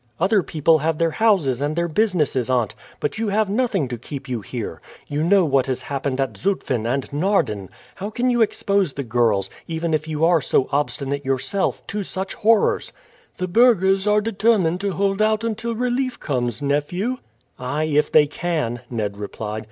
"Other people have their houses and their businesses, aunt, but you have nothing to keep you here. You know what has happened at Zutphen and Naarden. How can you expose the girls, even if you are so obstinate yourself, to such horrors?" "The burghers are determined to hold out until relief comes, nephew." "Ay, if they can," Ned replied.